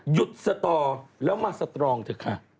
สตอแล้วมาสตรองเถอะค่ะ